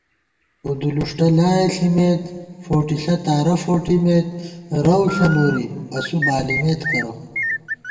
اُدُلُݭہ لائے ݪِمېت فوٹِݪہ تارہ فوٹِمېت رَؤ ݪہ نوری اسُو بالِمېت کرہ